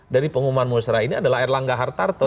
dari pengumuman musrah ini adalah erlangga hartarto